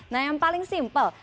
nah yang paling simpel